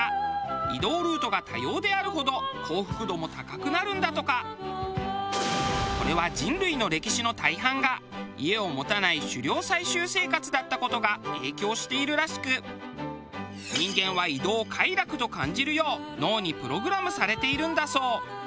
ちなみにこれは人類の歴史の大半が家を持たない狩猟採集生活だった事が影響しているらしく人間は移動を快楽と感じるよう脳にプログラムされているんだそう。